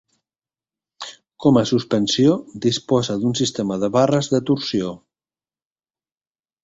Com a suspensió disposa d'un sistema de barres de torsió.